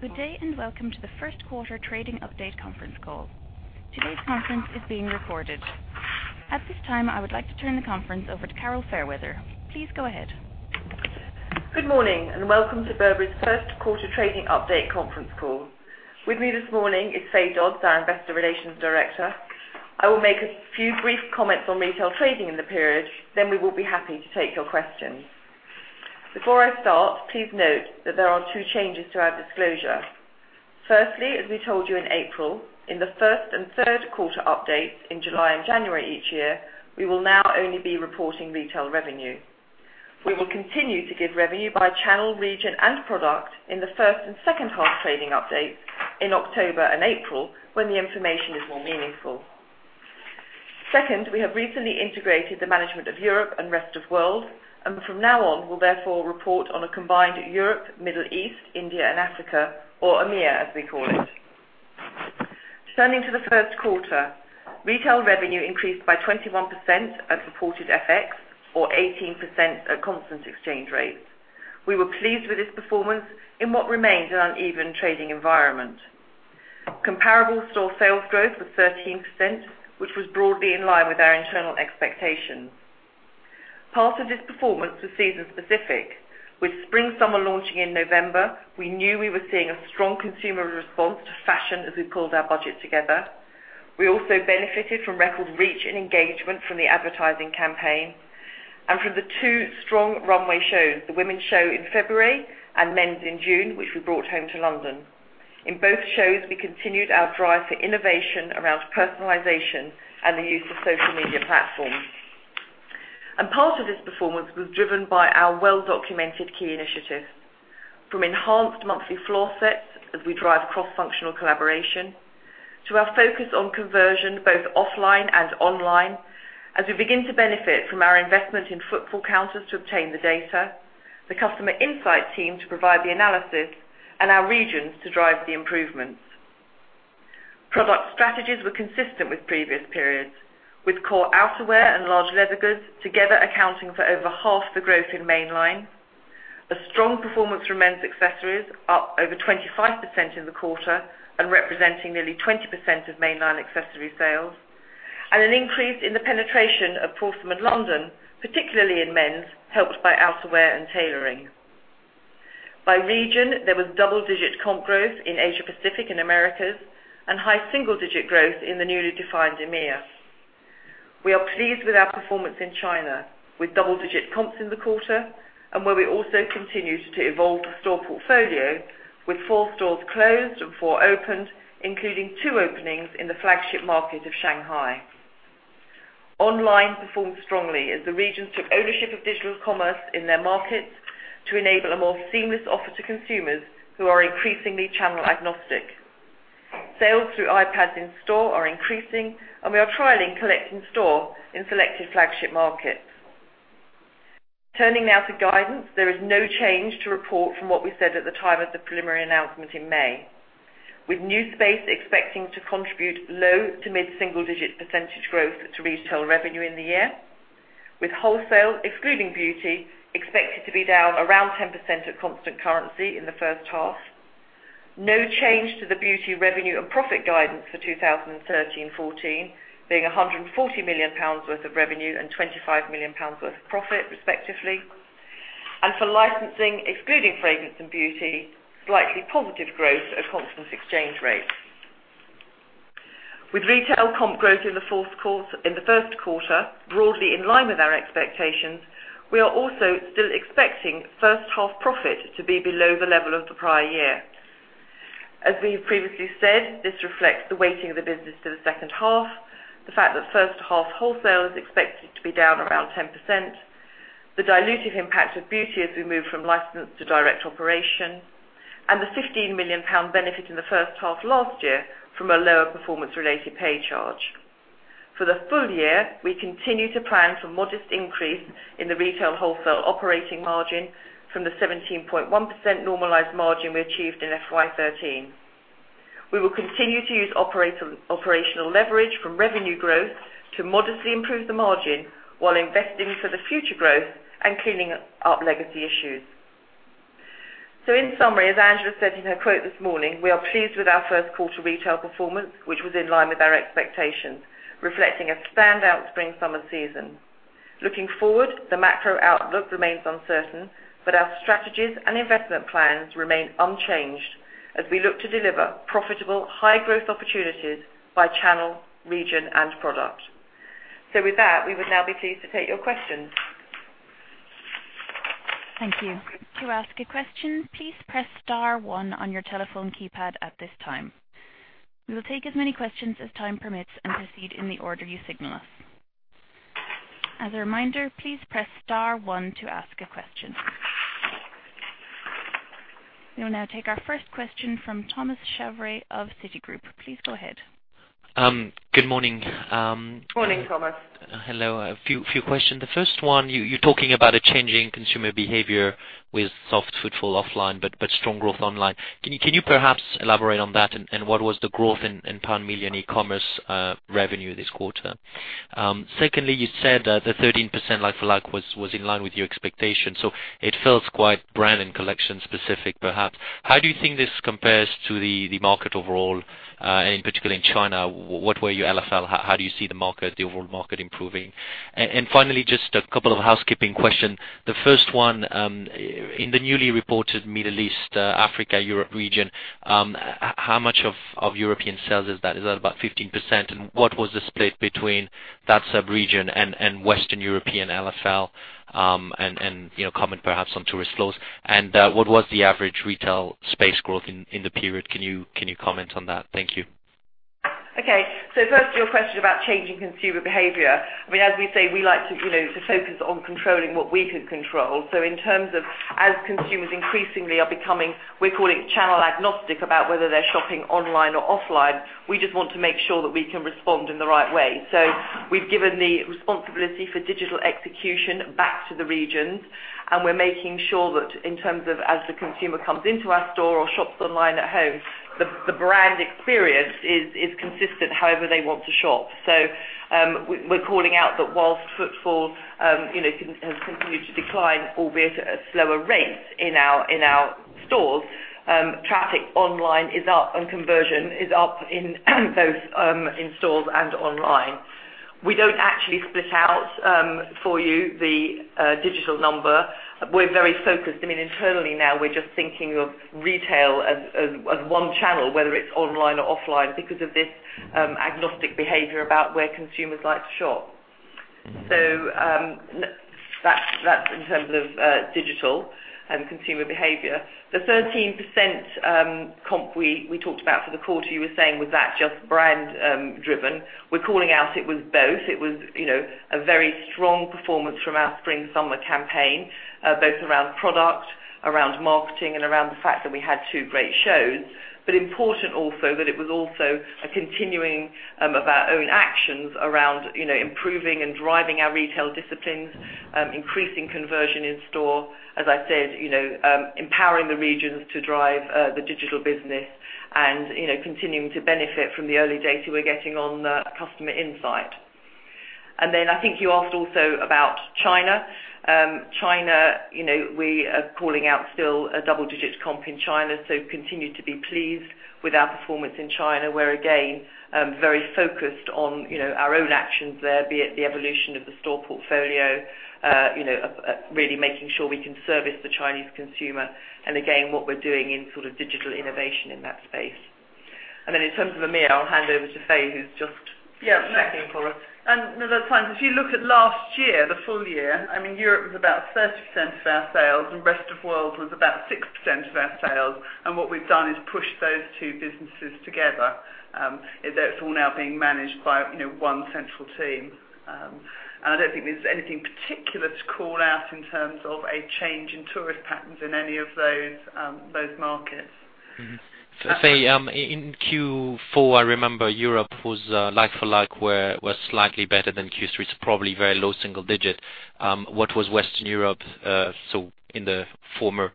Good day, welcome to the first quarter trading update conference call. Today's conference is being recorded. At this time, I would like to turn the conference over to Carol Fairweather. Please go ahead. Good morning, welcome to Burberry's first quarter trading update conference call. With me this morning is Fay Dodds, our investor relations director. I will make a few brief comments on retail trading in the period, we will be happy to take your questions. Before I start, please note that there are two changes to our disclosure. Firstly, as we told you in April, in the first and third quarter updates in July and January each year, we will now only be reporting retail revenue. We will continue to give revenue by channel, region, and product in the first and second half trading update in October and April, when the information is more meaningful. We have recently integrated the management of Europe and rest of world, from now on, we'll therefore report on a combined Europe, Middle East, India, and Africa or AMIR, as we call it. Turning to the first quarter, retail revenue increased by 21% at reported FX or 18% at constant exchange rates. We were pleased with this performance in what remains an uneven trading environment. Comparable store sales growth was 13%, which was broadly in line with our internal expectations. Part of this performance was season specific. With spring/summer launching in November, we knew we were seeing a strong consumer response to fashion as we pulled our budget together. We also benefited from record reach and engagement from the advertising campaign and from the two strong runway shows, the women's show in February and men's in June, which we brought home to London. In both shows, we continued our drive for innovation around personalization and the use of social media platforms. Part of this performance was driven by our well-documented key initiatives, from enhanced monthly floor sets as we drive cross-functional collaboration to our focus on conversion both offline and online as we begin to benefit from our investment in footfall counters to obtain the data, the customer insight team to provide the analysis, our regions to drive the improvements. Product strategies were consistent with previous periods with core outerwear and large leather goods together accounting for over half the growth in mainline. A strong performance from men's accessories up over 25% in the quarter and representing nearly 20% of mainline accessory sales, an increase in the penetration of Prorsum and London, particularly in men's, helped by outerwear and tailoring. By region, there was double-digit comp growth in Asia Pacific and Americas and high single-digit growth in the newly defined AMIR. We are pleased with our performance in China, with double-digit comps in the quarter and where we also continued to evolve the store portfolio with four stores closed and four opened, including two openings in the flagship market of Shanghai. Online performed strongly as the regions took ownership of digital commerce in their markets to enable a more seamless offer to consumers who are increasingly channel agnostic. Sales through iPads in-store are increasing, and we are trialing collect in store in selected flagship markets. Turning now to guidance. There is no change to report from what we said at the time of the preliminary announcement in May. With new space expecting to contribute low to mid single digit % growth to retail revenue in the year, with wholesale, excluding beauty, expected to be down around 10% at constant currency in the first half. No change to the beauty revenue and profit guidance for 2013-2014, being 140 million pounds worth of revenue and 25 million pounds worth of profit respectively. For licensing, excluding fragrance and beauty, slightly positive growth at constant exchange rates. With retail comp growth in the first quarter broadly in line with our expectations, we are also still expecting first half profit to be below the level of the prior year. As we have previously said, this reflects the weighting of the business to the second half, the fact that first half wholesale is expected to be down around 10%, the dilutive impact of beauty as we move from license to direct operation, and the 15 million pound benefit in the first half last year from a lower performance-related pay charge. For the full year, we continue to plan for modest increase in the retail wholesale operating margin from the 17.1% normalized margin we achieved in FY 2013. We will continue to use operational leverage from revenue growth to modestly improve the margin while investing for the future growth and cleaning up legacy issues. In summary, as Angela said in her quote this morning, we are pleased with our first quarter retail performance, which was in line with our expectations, reflecting a standout spring/summer season. Looking forward, the macro outlook remains uncertain, but our strategies and investment plans remain unchanged as we look to deliver profitable high growth opportunities by channel, region, and product. With that, we would now be pleased to take your questions. Thank you. To ask a question, please press *1 on your telephone keypad at this time. We will take as many questions as time permits and proceed in the order you signal us. As a reminder, please press *1 to ask a question. We will now take our first question from Thomas Chauvet of Citigroup. Please go ahead. Good morning. Morning, Thomas. Hello. A few questions. The first one, you're talking about a changing consumer behavior with soft footfall offline, but strong growth online. Can you perhaps elaborate on that? What was the growth in pound million e-commerce revenue this quarter? Secondly, you said that the 13% like for like was in line with your expectations, so it feels quite brand and collection specific, perhaps. How do you think this compares to the market overall, and particularly in China? What were your LFL? How do you see the overall market improving? Finally, just a couple of housekeeping question. The first one, in the newly reported Middle East, Africa, Europe region, how much of European sales is that? Is that about 15%? What was the split between that sub-region and Western European LFL, and comment perhaps on tourist flows. What was the average retail space growth in the period? Can you comment on that? Thank you. First, your question about changing consumer behavior. As we say, we like to focus on controlling what we can control. In terms of as consumers increasingly are becoming, we're calling it channel agnostic about whether they're shopping online or offline, we just want to make sure that we can respond in the right way. We've given the responsibility for digital execution back to the regions, and we're making sure that in terms of as the consumer comes into our store or shops online at home, the brand experience is consistent however they want to shop. We're calling out that whilst footfall has continued to decline, albeit at slower rates in our stores, traffic online is up and conversion is up in both in stores and online. We don't actually split out for you the digital number. We're very focused. Internally now, we're just thinking of retail as one channel, whether it's online or offline because of this agnostic behavior about where consumers like to shop. That's in terms of digital and consumer behavior. The 13% comp we talked about for the quarter, you were saying, was that just brand driven. We're calling out it was both. It was a very strong performance from our spring, summer campaign both around product, around marketing, and around the fact that we had two great shows. Important also that it was also a continuing of our own actions around improving and driving our retail disciplines, increasing conversion in store. As I said, empowering the regions to drive the digital business and continuing to benefit from the early data we're getting on customer insight. I think you asked also about China. China, we are calling out still a double digit comp in China, Continue to be pleased with our performance in China. We're again, very focused on our own actions there, be it the evolution of the store portfolio, really making sure we can service the Chinese consumer. Again, what we're doing in sort of digital innovation in that space. In terms of EMEA, I'll hand over to Fay who's just- Yeah checking for us. No, that's fine. If you look at last year, the full year, Europe was about 30% of our sales, and rest of world was about 6% of our sales. What we've done is pushed those two businesses together. It's all now being managed by one central team. I don't think there's anything particular to call out in terms of a change in tourist patterns in any of those markets. Say, in Q4, I remember Europe was like for like was slightly better than Q3, so probably very low single digit. What was Western Europe in the former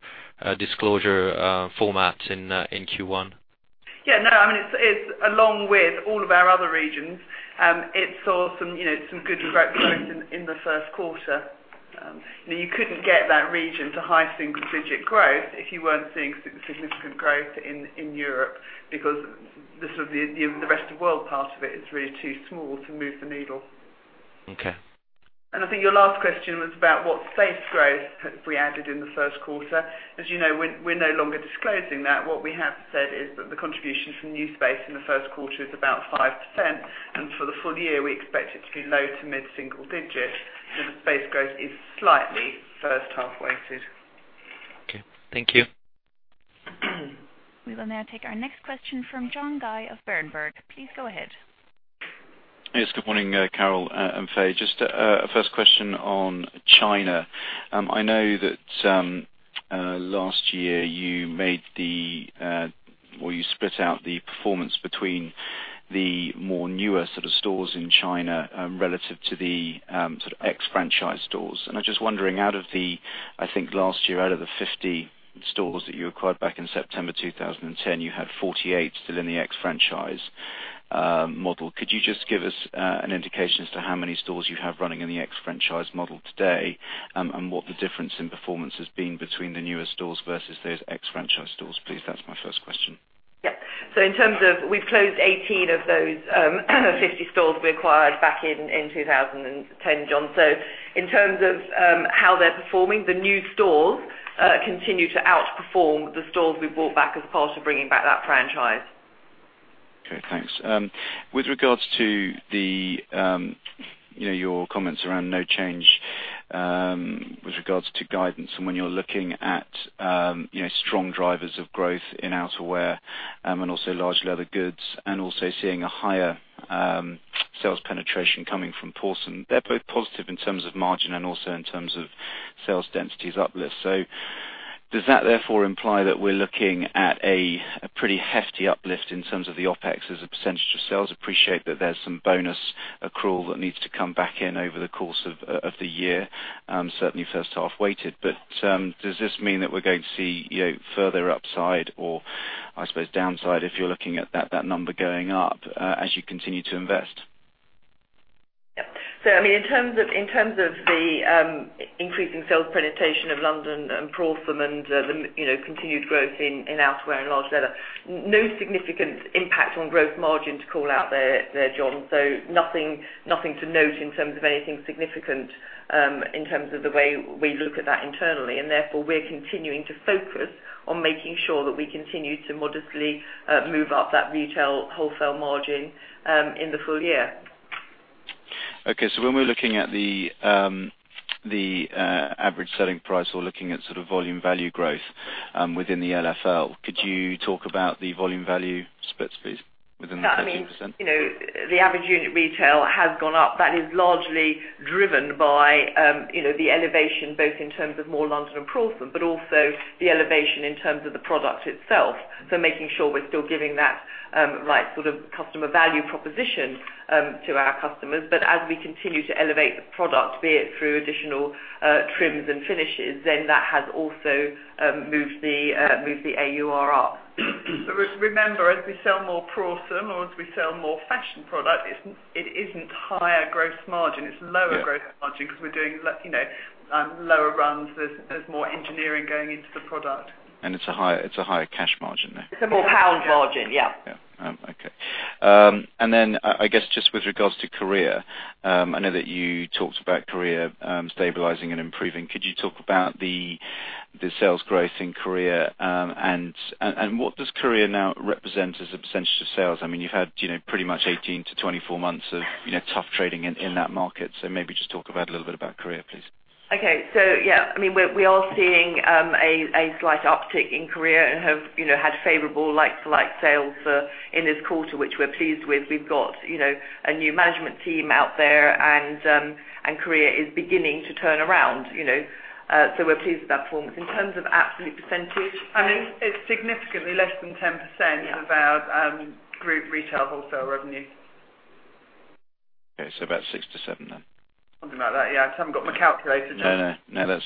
disclosure format in Q1? No, it's along with all of our other regions. It saw some good growth rates in the first quarter. You couldn't get that region to high single digit growth if you weren't seeing significant growth in Europe because the rest of world part of it is really too small to move the needle. Okay. I think your last question was about what space growth have we added in the first quarter. As you know, we're no longer disclosing that. What we have said is that the contribution from new space in the first quarter is about 5%, and for the full year, we expect it to be low to mid single digit. The space growth is slightly first half weighted. Okay. Thank you. We will now take our next question from John Guy of Berenberg. Please go ahead. Yes, good morning, Carol and Fay. Just a first question on China. I know that last year, you split out the performance between the more newer sort of stores in China relative to the sort of ex-franchise stores. I'm just wondering, I think last year, out of the 50 stores that you acquired back in September 2010, you had 48 still in the ex-franchise model. Could you just give us an indication as to how many stores you have running in the ex-franchise model today, and what the difference in performance has been between the newer stores versus those ex-franchise stores, please? That's my first question. Yeah. We've closed 18 of those 50 stores we acquired back in 2010, John. In terms of how they're performing, the new stores continue to outperform the stores we bought back as part of bringing back that franchise. Okay, thanks. With regards to your comments around no change with regards to guidance and when you're looking at strong drivers of growth in outerwear and also large leather goods and also seeing a higher sales penetration coming from Prorsum. They are both positive in terms of margin and also in terms of sales densities uplift. Does that therefore imply that we are looking at a pretty hefty uplift in terms of the OpEx as a percentage of sales? Appreciate that there is some bonus accrual that needs to come back in over the course of the year, certainly first half weighted. Does this mean that we are going to see further upside or, I suppose, downside if you are looking at that number going up as you continue to invest? Yeah. In terms of the increasing sales presentation of London and Prorsum and the continued growth in outerwear and large leather, no significant impact on gross margin to call out there, John. Nothing to note in terms of anything significant in terms of the way we look at that internally. Therefore, we are continuing to focus on making sure we continue to modestly move up that retail wholesale margin in the full year. Okay. When we are looking at the average selling price or looking at volume value growth within the LFL, could you talk about the volume value splits, please, within the 15%? That means the average unit retail has gone up. That is largely driven by the elevation, both in terms of more London and Prorsum, but also the elevation in terms of the product itself. Making sure we are still giving that right sort of customer value proposition to our customers. But as we continue to elevate the product, be it through additional trims and finishes, then that has also moved the AUR up. Remember, as we sell more Prorsum or as we sell more fashion product, it isn't higher gross margin, it's lower gross margin because we're doing lower runs. There's more engineering going into the product. It's a higher cash margin there. It's a more pound margin, yeah. Yeah. Okay. I guess just with regards to Korea, I know that you talked about Korea stabilizing and improving. Could you talk about the sales growth in Korea? What does Korea now represent as a percentage of sales? You've had pretty much 18-24 months of tough trading in that market. Maybe just talk a little bit about Korea, please. Yeah, we are seeing a slight uptick in Korea and have had favorable like-for-like sales in this quarter, which we are pleased with. We have got a new management team out there, and Korea is beginning to turn around, so we are pleased with that performance. In terms of absolute It is significantly less than 10% of our group retail wholesale revenue. About six to seven. Something like that, yeah. I have not got my calculator. No, that's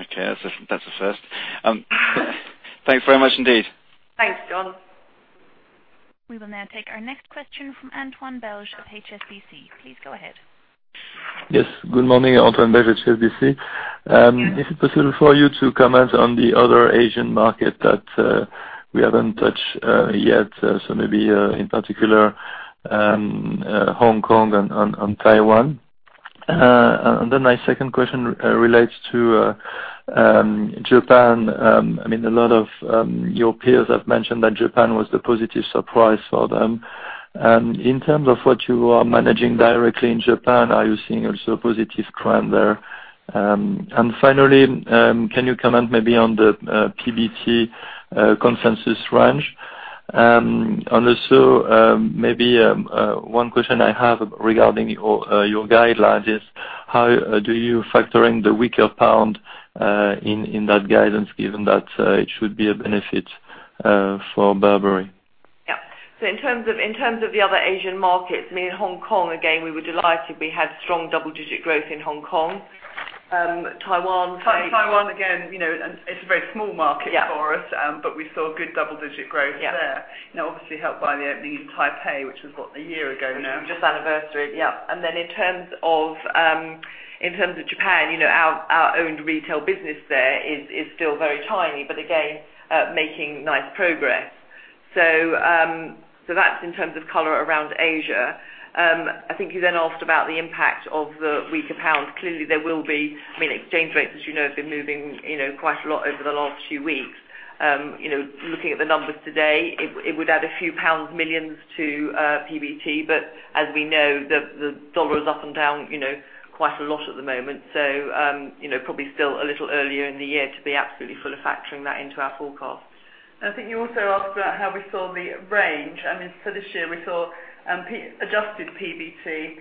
okay. That's a first. Thanks very much indeed. Thanks, John. We will now take our next question from Antoine Belge of HSBC. Please go ahead. Yes. Good morning, Antoine Belge at HSBC. Is it possible for you to comment on the other Asian market that we haven't touched yet, so maybe in particular Hong Kong and Taiwan? My second question relates to Japan. A lot of your peers have mentioned that Japan was the positive surprise for them. In terms of what you are managing directly in Japan, are you seeing also a positive trend there? Finally, can you comment maybe on the PBT consensus range? Maybe one question I have regarding your guidance is how do you factor in the weaker pound in that guidance, given that it should be a benefit for Burberry? Yeah. In terms of the other Asian markets, Hong Kong, again, we were delighted. We had strong double-digit growth in Hong Kong. Taiwan- Taiwan, again, it's a very small market for us. Yeah. We saw good double-digit growth there. Yeah. Obviously helped by the opening in Taipei, which was what, one year ago now? Just anniversaried, yeah. In terms of Japan, our owned retail business there is still very tiny but again, making nice progress. That's in terms of color around Asia. I think you asked about the impact of the weaker pound. Clearly, there will be. Exchange rates as you know have been moving quite a lot over the last few weeks. Looking at the numbers today, it would add a few pounds million to PBT, as we know, the dollar is up and down quite a lot at the moment. Probably still a little earlier in the year to be absolutely full of factoring that into our forecast. I think you also asked about how we saw the range. For this year, we saw adjusted PBT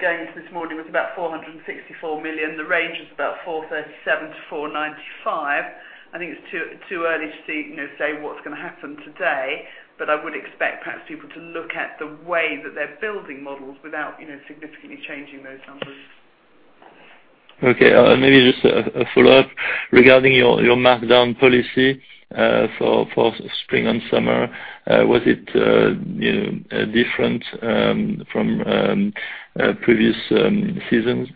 going into this morning was about 464 million. The range was about 437-495. I think it's too early to say what's going to happen today. I would expect perhaps people to look at the way that they're building models without significantly changing those numbers. Okay. Maybe just a follow-up. Regarding your markdown policy for spring and summer, was it different from previous seasons?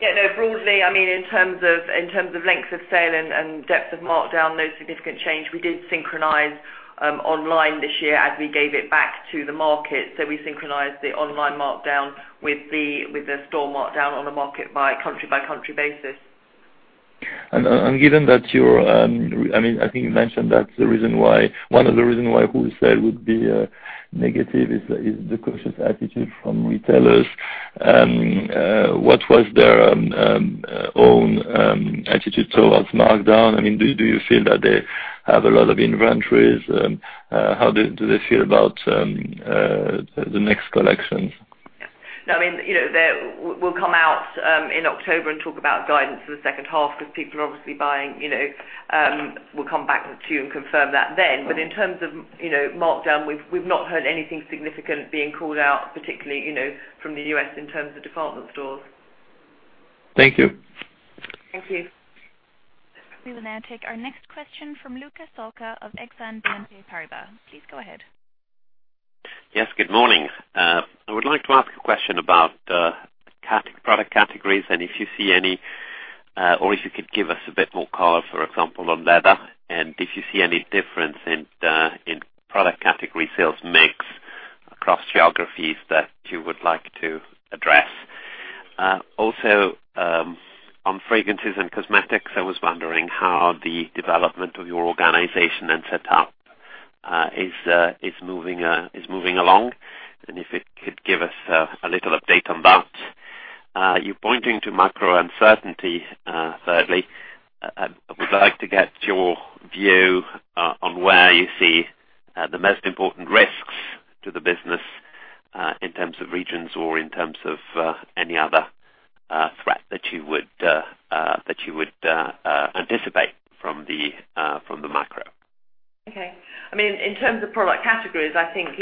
Yeah, no, broadly, in terms of length of sale and depth of markdown, no significant change. We did synchronize online this year as we gave it back to the market. We synchronized the online markdown with the store markdown on the market by country by country basis. Given that, I think you mentioned that's one of the reason why wholesale would be negative is the cautious attitude from retailers. What was their own attitude towards markdown? Do you feel that they have a lot of inventories? How do they feel about the next collection? No, we'll come out in October and talk about guidance for the second half because people are obviously buying. We'll come back to you and confirm that then. In terms of markdown, we've not heard anything significant being called out, particularly, from the U.S. in terms of department stores. Thank you. Thank you. We will now take our next question from Luca Solca of Exane BNP Paribas. Please go ahead. Good morning. I would like to ask a question about product categories and if you see any, or if you could give us a bit more color, for example, on leather and if you see any difference in product category sales mix across geographies that you would like to address. On fragrances and cosmetics, I was wondering how the development of your organization and setup is moving along, and if you could give us a little update on that. You're pointing to macro uncertainty, thirdly. I would like to get your view on where you see the most important risks to the business in terms of regions or in terms of any other threat that you would anticipate from the macro. Okay. In terms of product categories, I think,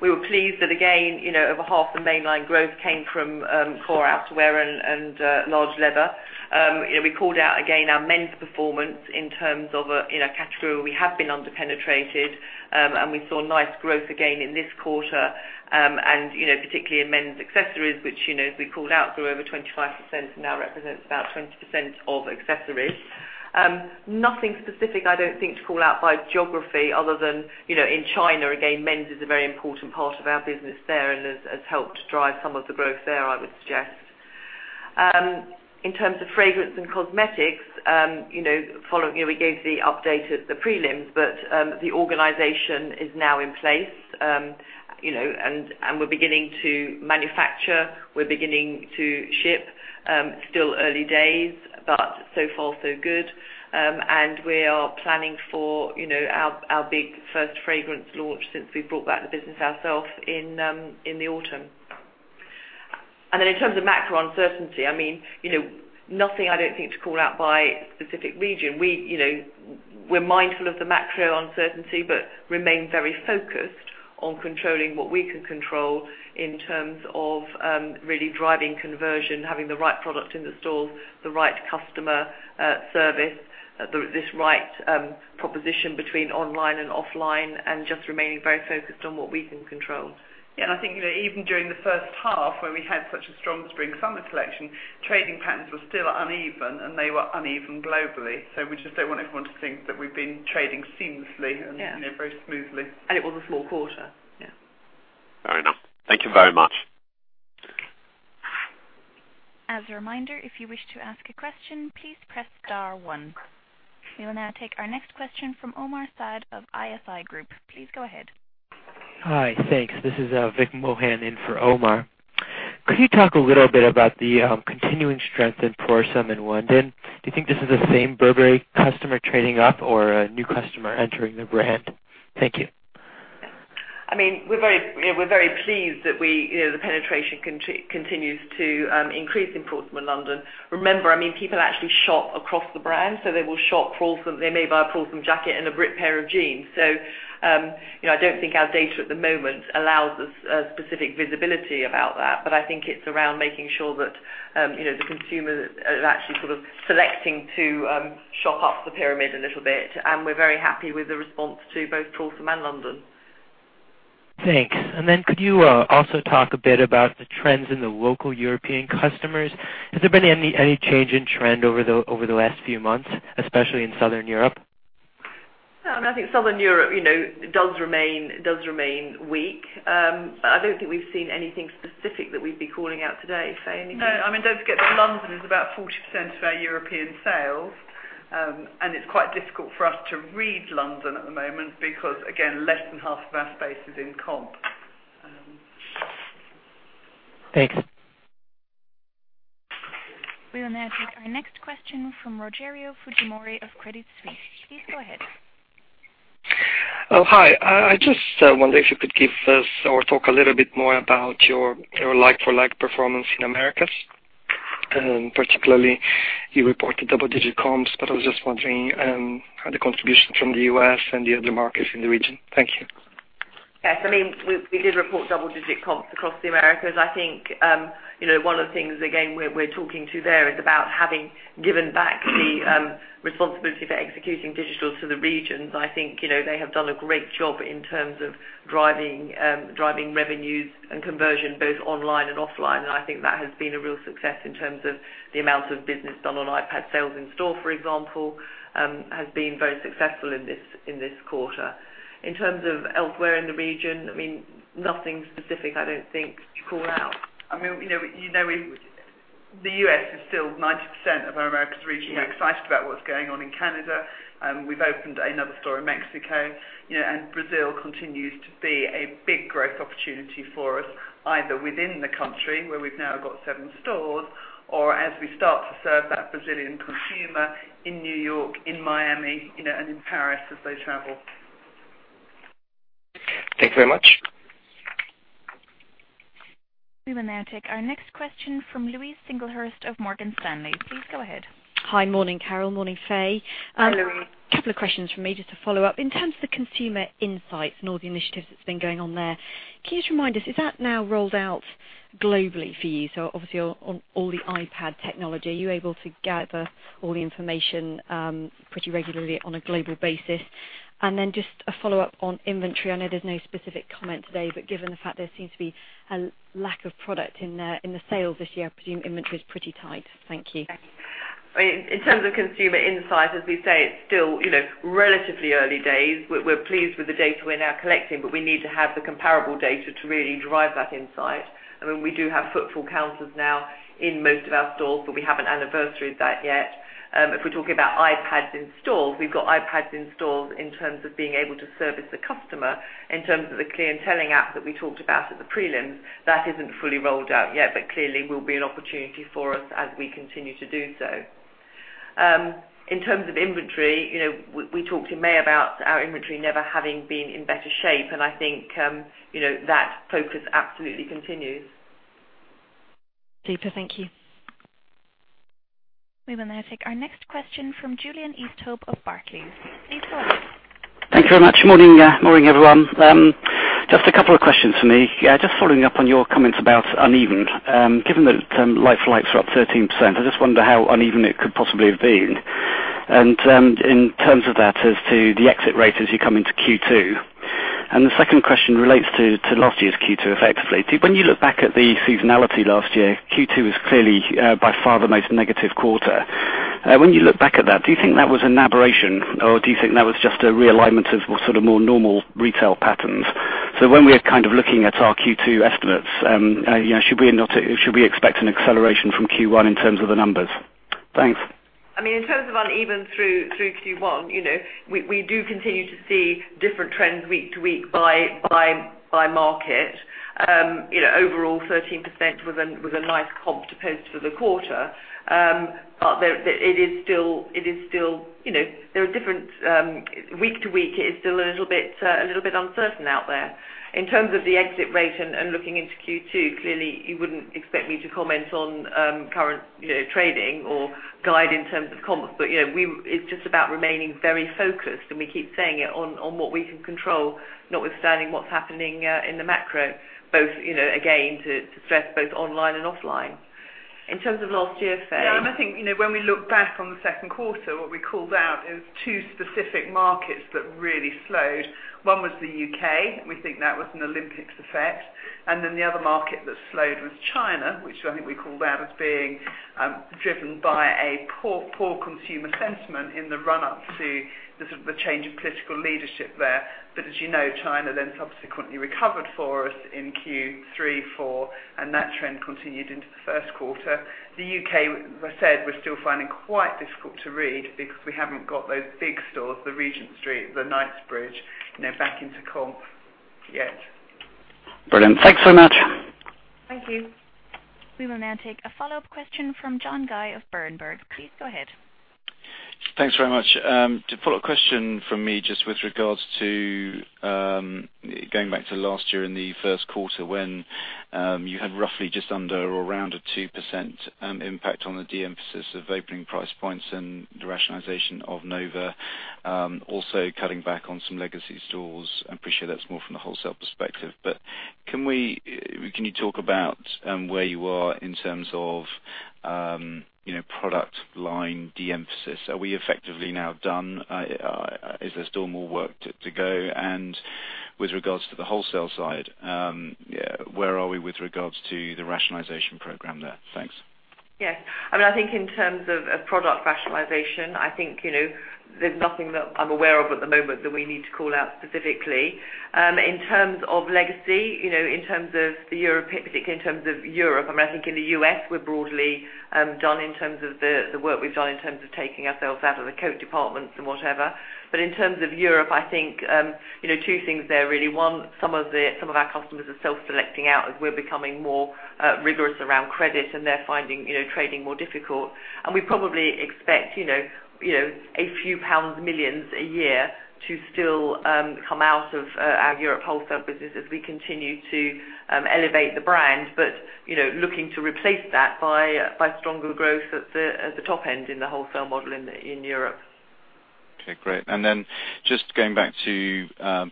we were pleased that again, over half the mainline growth came from core outerwear and large leather. We called out again our men's performance in terms of a category where we have been under-penetrated, and we saw nice growth again in this quarter. Particularly in men's accessories, which as we called out, grew over 25% and now represents about 20% of accessories. Nothing specific, I don't think, to call out by geography other than, in China, again, men's is a very important part of our business there and has helped drive some of the growth there, I would suggest. In terms of fragrance and cosmetics, we gave the update at the prelims, but the organization is now in place. We're beginning to manufacture, we're beginning to ship. Still early days, but so far so good. We are planning for our big first fragrance launch since we brought back the business ourselves in the autumn. In terms of macro uncertainty, nothing I don't think to call out by specific region. We're mindful of the macro uncertainty but remain very focused on controlling what we can control in terms of really driving conversion, having the right product in the stores, the right customer service, this right proposition between online and offline, and just remaining very focused on what we can control. I think even during the first half when we had such a strong spring-summer collection, trading patterns were still uneven, and they were uneven globally. We just don't want everyone to think that we've been trading seamlessly. Yeah Very smoothly. It was a small quarter. Yeah. Fair enough. Thank you very much. As a reminder, if you wish to ask a question, please press star one. We will now take our next question from Omar Saad of ISI Group. Please go ahead. Hi, thanks. This is Vic Mohan in for Omar. Could you talk a little bit about the continuing strength in Prorsum and London? Do you think this is the same Burberry customer trading up or a new customer entering the brand? Thank you. Yeah. We're very pleased that the penetration continues to increase in Prorsum and London. Remember, people actually shop across the brand, they will shop Prorsum. They may buy a Prorsum jacket and a Brit pair of jeans. I don't think our data at the moment allows us specific visibility about that, but I think it's around making sure that the consumers are actually sort of selecting to shop up the pyramid a little bit, we're very happy with the response to both Prorsum and London. Thanks. Could you also talk a bit about the trends in the local European customers? Has there been any change in trend over the last few months, especially in Southern Europe? No, I think Southern Europe does remain weak. I don't think we've seen anything specific that we'd be calling out today. Fay, anything? No. Don't forget that London is about 40% of our European sales. It's quite difficult for us to read London at the moment because, again, less than half of our space is in comp. Thanks. We will now take our next question from Rogerio Fujimori of Credit Suisse. Please go ahead. Hi. I just wonder if you could give us, or talk a little bit more about your like-for-like performance in Americas. Particularly, you reported double-digit comps, I was just wondering how the contribution from the U.S. and the other markets in the region. Thank you. Yes. We did report double-digit comps across the Americas. I think one of the things, again, we're talking to there is about having given back the responsibility for executing digital to the regions. I think they have done a great job in terms of driving revenues and conversion both online and offline, and I think that has been a real success in terms of the amount of business done on iPad sales in store, for example, has been very successful in this quarter. In terms of elsewhere in the region, nothing specific I don't think to call out. The U.S. is still 90% of our Americas region. Yeah. We're excited about what's going on in Canada, we've opened another store in Mexico. Brazil continues to be a big growth opportunity for us, either within the country, where we've now got seven stores, or as we start to serve that Brazilian consumer in New York, in Miami, and in Paris as they travel. Thank you very much. We will now take our next question from Louise Singlehurst of Morgan Stanley. Please go ahead. Hi. Morning, Carol. Morning, Fay. Hi, Louise. A couple of questions from me just to follow up. In terms of the consumer insights and all the initiatives that's been going on there, can you just remind us, is that now rolled out globally for you? Obviously on all the iPad technology, are you able to gather all the information, pretty regularly on a global basis? Just a follow-up on inventory. I know there's no specific comment today, but given the fact there seems to be a lack of product in the sales this year, I presume inventory is pretty tight. Thank you. In terms of consumer insight, as we say, it's still relatively early days. We're pleased with the data we're now collecting, but we need to have the comparable data to really drive that insight. We do have footfall counters now in most of our stores, but we haven't anniversaried that yet. If we're talking about iPads in stores, we've got iPads in stores in terms of being able to service the customer, in terms of the clienteling app that we talked about at the prelims. That isn't fully rolled out yet, but clearly will be an opportunity for us as we continue to do so. In terms of inventory, we talked in May about our inventory never having been in better shape, and I think that focus absolutely continues. Super. Thank you. We will now take our next question from Julian Easthope of Barclays. Please go ahead. Thank you very much. Morning, everyone. Just a couple of questions from me. Just following up on your comments about uneven. Given that like for likes are up 13%, I just wonder how uneven it could possibly have been. In terms of that as to the exit rate as you come into Q2. The second question relates to last year's Q2 effectively. When you look back at the seasonality last year, Q2 was clearly by far the most negative quarter. When you look back at that, do you think that was an aberration or do you think that was just a realignment of more normal retail patterns? When we are looking at our Q2 estimates, should we expect an acceleration from Q1 in terms of the numbers? Thanks. In terms of uneven through Q1, we do continue to see different trends week to week by market. Overall, 13% was a nice comp to post for the quarter. There are differences week to week. It is still a little bit uncertain out there. In terms of the exit rate and looking into Q2, clearly you wouldn't expect me to comment on current trading or guide in terms of comps. It's just about remaining very focused, and we keep saying it, on what we can control, notwithstanding what's happening in the macro, again, to stress both online and offline. In terms of last year, Fay? I think, when we look back on the second quarter, what we called out is two specific markets that really slowed. One was the U.K. We think that was an Olympics effect. The other market that slowed was China, which I think we called out as being driven by a poor consumer sentiment in the run-up to the change of political leadership there. As you know, China then subsequently recovered for us in Q3, Q4, and that trend continued into the first quarter. The U.K., as I said, we're still finding quite difficult to read because we haven't got those big stores, the Regent Street, the Knightsbridge, back into comps yet. Brilliant. Thanks so much. Thank you. We will now take a follow-up question from John Guy of Berenberg. Please go ahead. Thanks very much. A follow-up question from me just with regards to going back to last year in the first quarter when you had roughly just under or around a 2% impact on the de-emphasis of opening price points and the rationalization of Nova. Also cutting back on some legacy stores. I appreciate that's more from the wholesale perspective, but can you talk about where you are in terms of product line de-emphasis? Are we effectively now done? Is there still more work to go? With regards to the wholesale side, where are we with regards to the rationalization program there? Thanks. Yes. I think in terms of product rationalization, I think there's nothing that I'm aware of at the moment that we need to call out specifically. In terms of legacy, in terms of Europe, I think in the U.S., we're broadly done in terms of the work we've done in terms of taking ourselves out of the coat departments and whatever. In terms of Europe, I think two things there really. One, some of our customers are self-selecting out as we're becoming more rigorous around credit and they're finding trading more difficult. We probably expect a few pounds million a year to still come out of our Europe wholesale business as we continue to elevate the brand. Looking to replace that by stronger growth at the top end in the wholesale model in Europe. Okay, great. Just going back to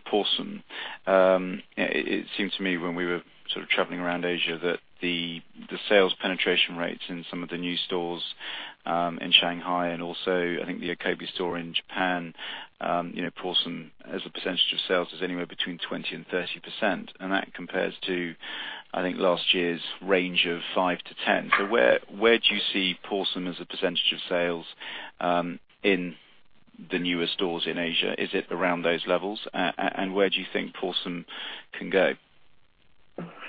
Prorsum. It seemed to me when we were traveling around Asia that the sales penetration rates in some of the new stores in Shanghai and also I think the Roppongi store in Japan, Prorsum, as a percentage of sales, is anywhere between 20% and 30%. That compares to, I think, last year's range of 5% to 10%. Where do you see Prorsum as a percentage of sales in the newer stores in Asia? Is it around those levels? Where do you think Prorsum can go?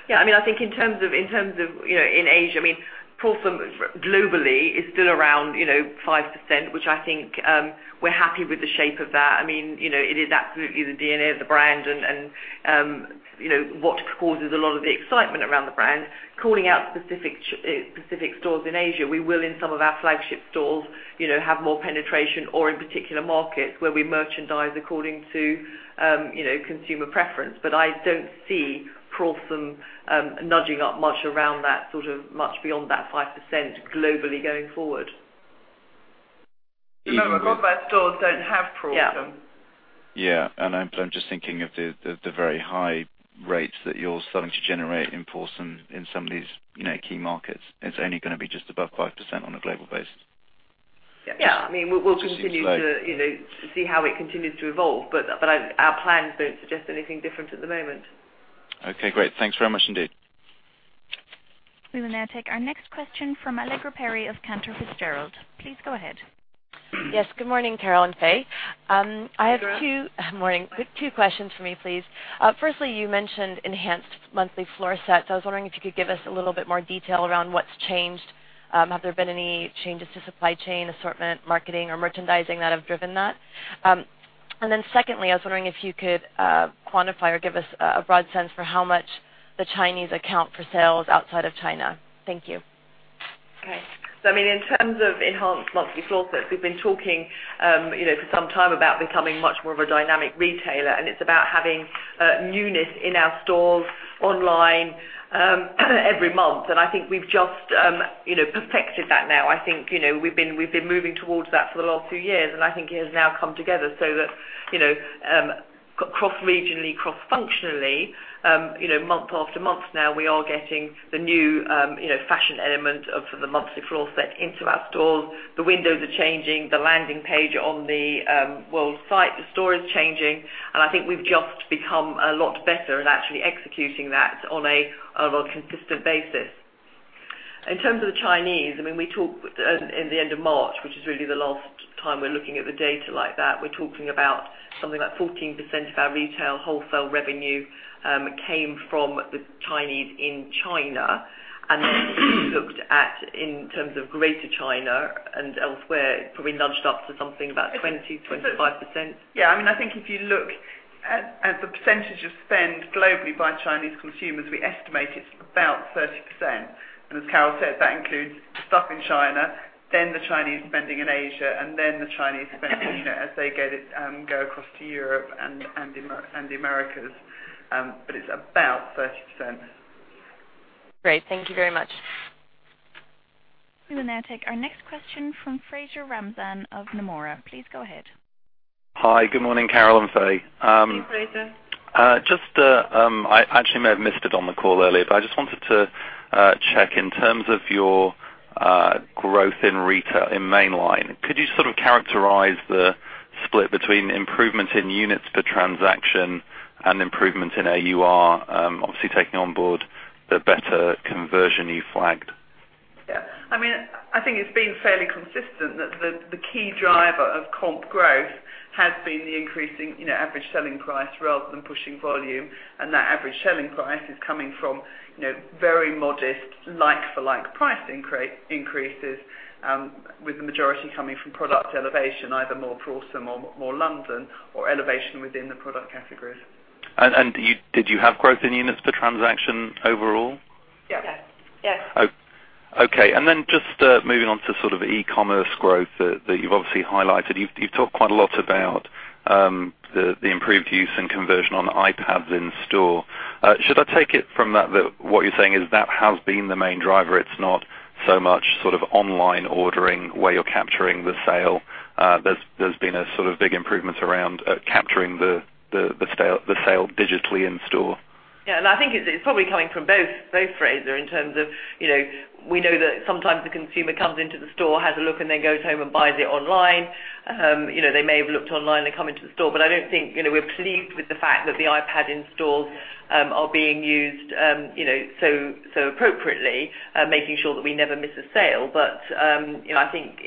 Yeah. I think in terms of in Asia, Prorsum globally is still around 5%, which I think we're happy with the shape of that. It is absolutely the DNA of the brand and what causes a lot of the excitement around the brand. Calling out specific stores in Asia, we will in some of our flagship stores have more penetration or in particular markets where we merchandise according to consumer preference. I don't see Prorsum nudging up much around that, much beyond that 5% globally going forward. Remember, a lot of our stores don't have Prorsum. Yeah. Yeah. I'm just thinking of the very high rates that you're starting to generate in Prorsum, in some of these key markets. It's only going to be just above 5% on a global basis. Yeah. Yeah. Which seems low see how it continues to evolve. Our plans don't suggest anything different at the moment. Okay, great. Thanks very much indeed. We will now take our next question from Allegra Perry of Cantor Fitzgerald. Please go ahead. Yes. Good morning, Carol and Fay. Good morning. Morning. Two questions for me, please. Firstly, you mentioned enhanced monthly floor sets. I was wondering if you could give us a little bit more detail around what's changed. Have there been any changes to supply chain assortment, marketing, or merchandising that have driven that? Secondly, I was wondering if you could quantify or give us a broad sense for how much the Chinese account for sales outside of China. Thank you. Okay. In terms of enhanced monthly floor sets, we've been talking for some time about becoming much more of a dynamic retailer, and it's about having newness in our stores online every month. I think we've just perfected that now. I think we've been moving towards that for the last two years, and I think it has now come together so that cross-regionally, cross-functionally, month after month now, we are getting the new fashion element of the monthly floor set into our stores. The windows are changing, the landing page on the world site, the store is changing, and I think we've just become a lot better at actually executing that on a more consistent basis. In terms of the Chinese, we talked at the end of March, which is really the last time we're looking at the data like that. We're talking about something like 14% of our retail wholesale revenue came from the Chinese in China. Then looked at in terms of Greater China and elsewhere, it probably nudged up to something about 20%-25%. Yeah. I think if you look at the percentage of spend globally by Chinese consumers, we estimate it's about 30%. As Carol said, that includes stuff in China, then the Chinese spending in Asia, then the Chinese spending as they go across to Europe and the Americas. It's about 30%. Great. Thank you very much. We will now take our next question from Fraser Ramzan of Nomura. Please go ahead. Hi. Good morning, Carol and Fay. Good morning, Fraser. I actually may have missed it on the call earlier, I just wanted to check in terms of your growth in retail in mainline, could you sort of characterize the split between improvements in units per transaction and improvements in AUR, obviously taking on board the better conversion you flagged? Yeah. I think it's been fairly consistent that the key driver of comp growth has been the increasing average selling price rather than pushing volume. That average selling price is coming from very modest like-for-like price increases, with the majority coming from product elevation, either more Prorsum or more London, or elevation within the product categories. Did you have growth in units per transaction overall? Yeah. Yes. Okay. Just moving on to e-commerce growth that you've obviously highlighted. You've talked quite a lot about the improved use and conversion on iPads in-store. Should I take it from that that what you're saying is that has been the main driver, it's not so much online ordering where you're capturing the sale? There's been a sort of big improvement around capturing the sale digitally in-store. Yeah. I think it's probably coming from both, Fraser, in terms of, we know that sometimes the consumer comes into the store, has a look, and then goes home and buys it online. They may have looked online, they come into the store. I don't think we're pleased with the fact that the iPad in stores are being used so appropriately, making sure that we never miss a sale. I think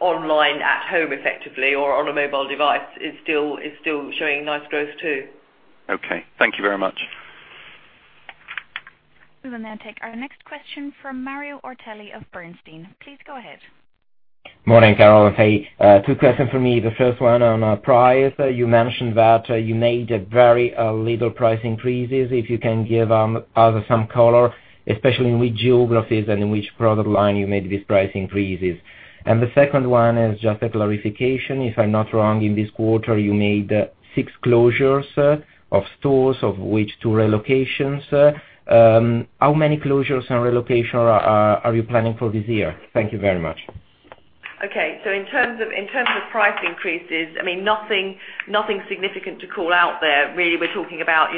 online at home effectively or on a mobile device is still showing nice growth, too. Okay. Thank you very much. We will now take our next question from Mario Ortelli of Bernstein. Please go ahead. Morning, Carol and Fay. Two questions from me. The first one on price. You mentioned that you made very little price increases. If you can give us some color, especially in which geographies and in which product line you made these price increases. The second one is just a clarification. If I'm not wrong, in this quarter, you made six closures of stores, of which two relocations. How many closures and relocation are you planning for this year? Thank you very much. Okay. In terms of price increases, nothing significant to call out there. Really, we're talking about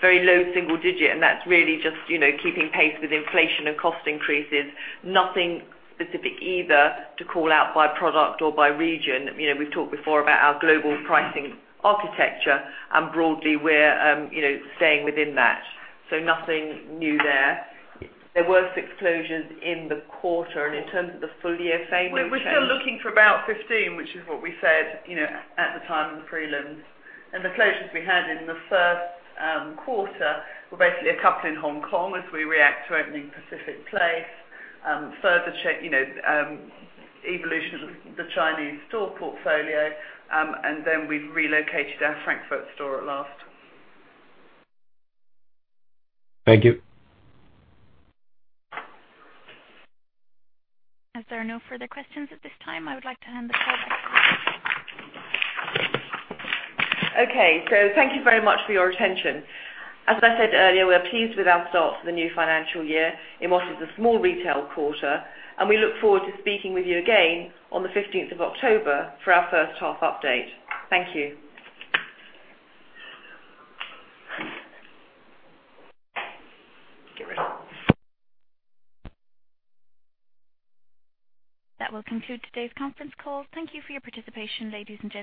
very low single digit, and that's really just keeping pace with inflation and cost increases. Nothing specific either to call out by product or by region. We've talked before about our global pricing architecture, and broadly we're staying within that. Nothing new there. There were six closures in the quarter. In terms of the full year, Fay, we've changed- We're still looking for about 15, which is what we said at the time of the prelims. The closures we had in the first quarter were basically a couple in Hong Kong as we react to opening Pacific Place, further evolution of the Chinese store portfolio, and then we've relocated our Frankfurt store at last. Thank you. As there are no further questions at this time, I would like to hand the call back to you. Okay. Thank you very much for your attention. As I said earlier, we're pleased with our start to the new financial year in what is a small retail quarter, and we look forward to speaking with you again on the 15th of October for our first half update. Thank you. Get rid of it. That will conclude today's conference call. Thank you for your participation, ladies and gents.